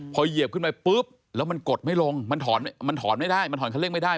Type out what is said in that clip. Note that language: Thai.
พอเหยียบขึ้นไปปุ๊บแล้วมันกดไม่ลงมันถอนมันถอนไม่ได้มันถอนคันเร่งไม่ได้